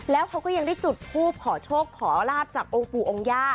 แล้วเขาก็ยังได้จุดทูบขอโชคขอลาบจากองค์ปู่องค์ย่า